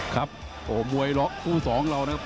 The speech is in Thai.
ครับโอ้มวยรอคู้๒เรานะครับ